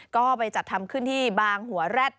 ก็ไปจัดทำขึ้นที่บางหัวแร็ด